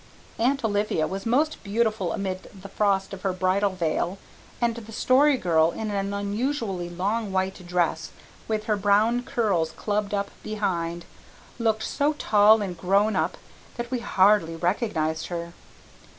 Aunt Olivia was most beautiful amid the frost of her bridal veil, and the Story Girl, in an unusually long white dress, with her brown curls clubbed up behind, looked so tall and grown up that we hardly recognized her.